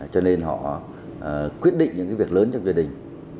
cho nên họ quyết định những cái việc lớn trong gia đình